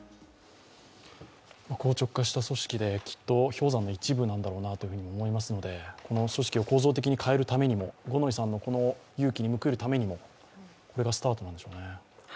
硬直化した組織で、きっと氷山の一角だろうなと思いますのでこの組織を構造的にも変えるためにも、五ノ井さんの勇気に報いるためにもこれがスタートなんでしょうね。